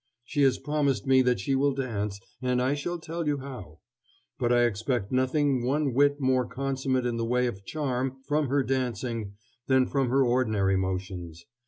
She has promised me that she will dance, and I shall tell you how. But I expect nothing one whit more consummate in the way of charm from her dancing than from her ordinary motions.